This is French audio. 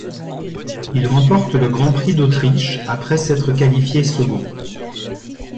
Il remporte le Grand Prix d'Autriche, après s'être qualifié second.